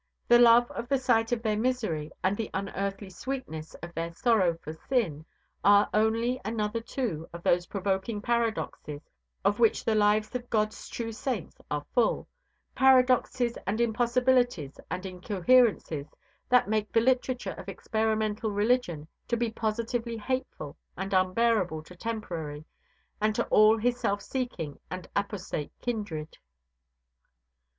The love of the sight of their misery, and the unearthly sweetness of their sorrow for sin, are only another two of those provoking paradoxes of which the lives of God's true saints are full paradoxes and impossibilities and incoherencies that make the literature of experimental religion to be positively hateful and unbearable to Temporary and to all his self seeking and apostate kindred.